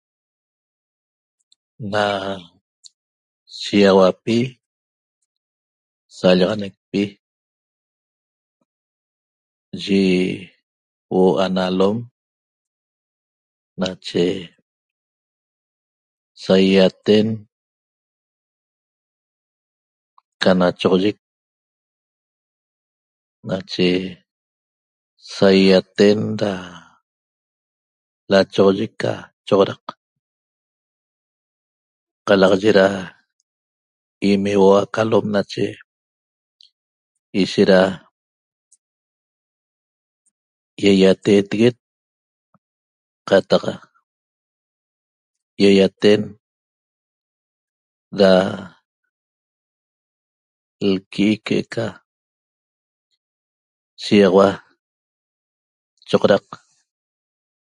Na shiýaxauapi sallaxanecpi yi huo'o ana alom nache saýaten ca nachoxoyic nache saýaten da lachoxoyic ca choxodaq qalaye da imeuo aca alom nache ishet da ýaýateeteguet qataq ýaýaten da lqui'ic que'eca shiýaxaua choxodaq